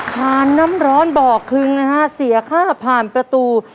ทานน้ำร้อนบ่อคลึงนะฮะเสียค่าผ่านประตู